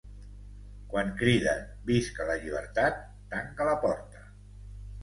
Quan criden «visca la llibertat», tanca la porta.